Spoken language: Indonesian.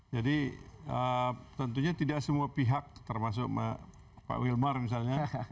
jadi tentunya tidak semua pihak termasuk pak wilmar misalnya